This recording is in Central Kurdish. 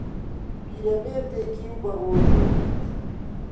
پیرەمێردێکی و بەڕۆژوو نیت